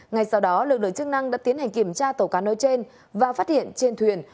ngay sau đó lực lượng chức năng đã tiến hành kiểm tra tàu cá nói trên và phát hiện trên thuyền